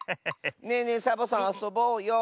ねえねえサボさんあそぼうよ。